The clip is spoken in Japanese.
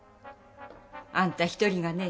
あんた一人がね